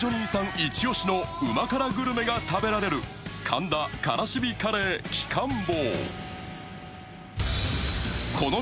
イチ押しのうま辛グルメが食べられる神田カラシビカレー鬼金棒。